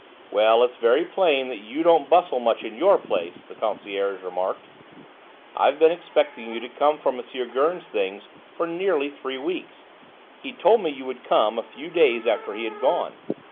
"Well, it's very plain that you don't bustle much in your place," the concierge remarked. "I've been expecting you to come for M. Gurn's things for nearly three weeks; he told me you would come a few days after he had gone.